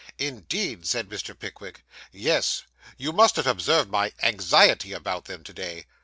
'Indeed!' said Mr. Pickwick. 'Yes; you must have observed my anxiety about them to day.